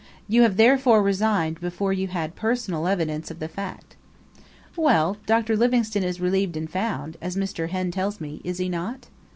You have therefore resigned before you had personal evidence of the fact." "Well, Dr. Livingstone is relieved and found, as Mr. Henn tells me, is he not?"